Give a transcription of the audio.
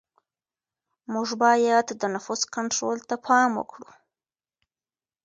موږ باید د نفوس کنټرول ته پام وکړو.